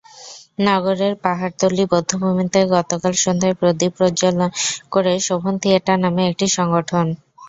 নগরের পাহাড়তলি বধ্যভূমিতে গতকাল সন্ধ্যায় প্রদীপ প্রজ্বালন করে শোভন থিয়েটার নামে একটি সংগঠন।